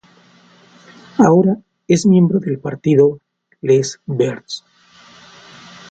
Ahora es miembro del partido Les Verts.